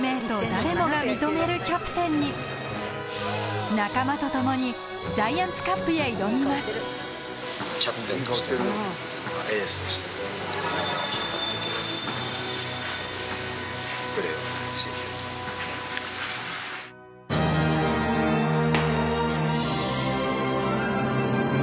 誰もが認めるキャプテンに仲間と共にジャイアンツカップへ挑みますをして行きたいと思います。